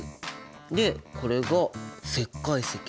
でこれが石灰石。